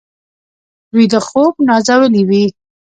ویده خوب نازولي وي